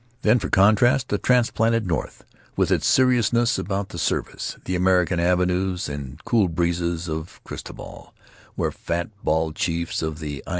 Then, for contrast, the transplanted North, with its seriousness about the Service; the American avenues and cool breezes of Cristobal, where fat, bald chiefs of the I.